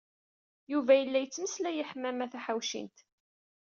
Yuba yella yettmeslay i Ḥemmama Taḥawcint.